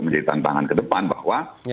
menjadi tantangan ke depan bahwa